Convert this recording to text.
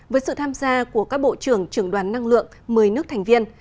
với sự tham gia của các bộ trưởng trưởng đoàn năng lượng một mươi nước thành viên